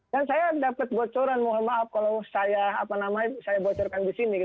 dan saya dapat bocoran mohon maaf kalau saya bocorkan di sini